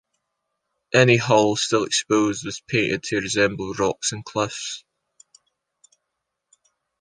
Any hull still exposed was painted to resemble rocks and cliffs.